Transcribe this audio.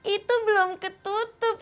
itu belum ketutup